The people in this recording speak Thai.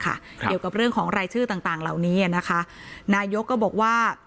เกี่ยวกับเรื่องของรายชื่อต่างต่างเหล่านี้อ่ะนะคะนายกก็บอกว่า